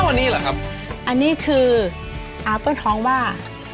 อันนี้แหละครับอันนี้คืออาเปิ้ลท้องว่า